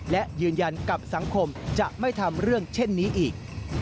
และยืนยันกับสังคมจะไม่ทำเรื่องเช่นนี้อีก